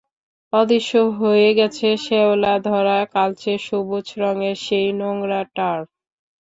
অদৃশ্য হয়ে গেছে শেওলা ধরা কালচে সবুজ রঙের সেই নোংরা টার্ফ।